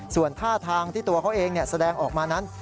ส่วนท่าทางที่ตัวเขาเองแสดงออกมานั้น